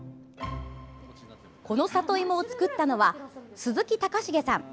この里芋を作ったのは鈴木孝臣さん。